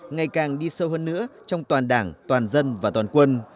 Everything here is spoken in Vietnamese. ngày càng đi sâu hơn nữa trong toàn đảng toàn dân và toàn quân